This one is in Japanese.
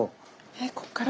えこっから？